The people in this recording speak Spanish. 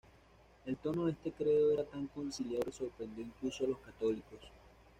El tono de este credo era tan conciliador que sorprendió incluso a los católicos.